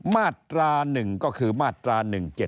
มาตรา๑ก็คือมาตรา๑๗๗